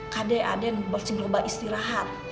kak den aden bercenggol bak istirahat